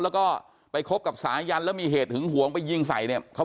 กับเขาแล้วก็ไปคบกับสายยันแล้วมีเหตุห่วงไปยิงใส่เนี่ยเขา